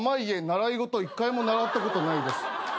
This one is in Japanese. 習い事一回も習ったことないです。